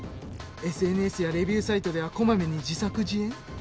ＳＮＳやレビューサイトではこまめに自作自演。